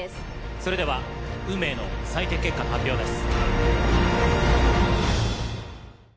それでは運命の採点結果の発表です。